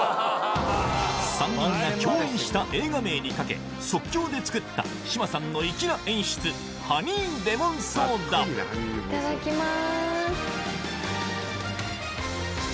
３人が共演した映画名に掛け即興で作った志麻さんの粋な演出いただきます。